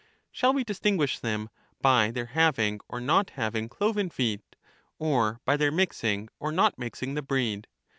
Shall we distinguish them by their having or not having cloven feet, or by their mixing or not mixing the breed